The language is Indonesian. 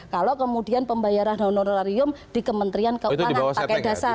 kalau kemudian pembayaran honorarium di kementerian keuangan pakai dasar